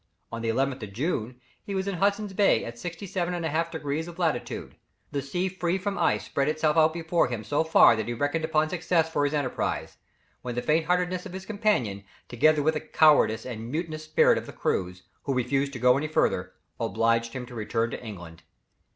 On the 11th of June, he was in Hudson's Bay at 67 1/2 degrees of latitude; the sea free from ice spread itself out before him so far that he reckoned upon success in his enterprise, when the faintheartedness of his companion, together with the cowardice and mutinous spirit of the crews, who refused to go any further, obliged him to return to England.